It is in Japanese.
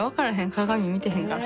鏡見てへんから。